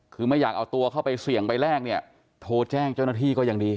คือไม่อยากเอาตัวเข้าไปเสี่ยงไปแลกเนี่ยโทรแจ้งเจ้าหน้าที่ก็ยังดี